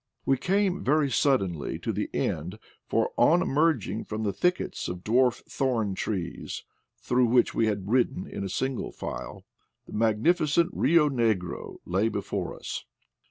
We came very suddenly to the end, for on emerging from the thickets of dwarf thorn trees through which we had ridden in single file the magnificent Bio Negro lay before us.